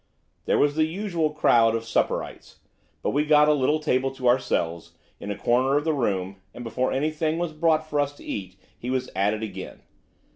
There was the usual crowd of supperites, but we got a little table to ourselves, in a corner of the room, and before anything was brought for us to eat he was at it again.